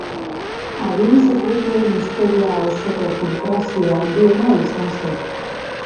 Agiri sekretuen historia osoko filtrazio handiena izan zen.